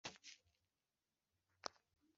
Ijambo ry Imana yacu